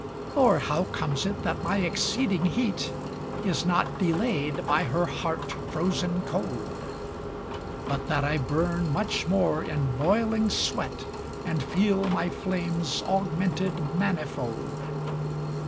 Or how comes it that my exceeding heat Is not delayed by her heart frozen cold; But that I burn much more in boiling sweat, And feel my flames augmented manifold?